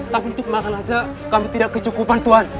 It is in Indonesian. tapi untuk makan aja kami tidak kecukupan tuhan